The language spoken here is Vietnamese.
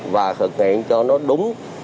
và thực hiện cho nó đúng